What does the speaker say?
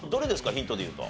ヒントで言うと。